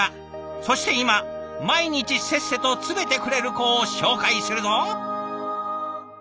そして今毎日せっせと詰めてくれる子を紹介するぞ！